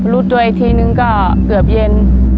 รู้ตัวอีกทีนึงก็เกือบเย็น